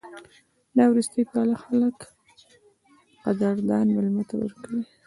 دا وروستۍ پیاله خلک قدردان مېلمه ته ورکوي.